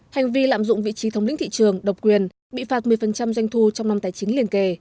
hành vi lạm dụng vị trí thống lĩnh thị trường độc quyền bị phạt một mươi doanh thu trong năm tài chính liên kề